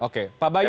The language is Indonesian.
oke pak bayu